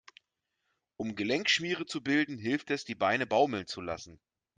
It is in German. Um Gelenkschmiere zu bilden, hilft es, die Beine baumeln zu lassen.